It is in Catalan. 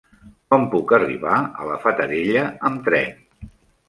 Com puc arribar a la Fatarella amb tren?